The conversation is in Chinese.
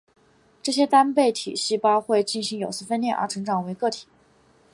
这些单倍体细胞会进行有丝分裂而成长为个体。